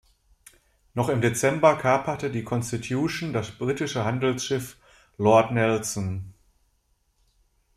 Noch im Dezember kaperte die "Constitution" das britische Handelsschiff "Lord Nelson".